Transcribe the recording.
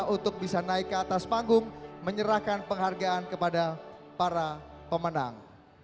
untuk bisa naik ke atas panggung menyerahkan penghargaan kepada para pemenang